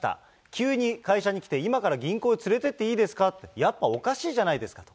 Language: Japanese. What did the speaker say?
急に会社に来て、今から銀行へ連れて行っていいですかって、やっぱおかしいじゃないですかと。